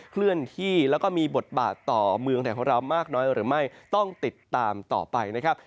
เคลื่อนที่แล้วก็มีบทบาทต่อเมืองไทยของเรามากน้อยหรือไม่ต้องติดตามต่อไปนะครับ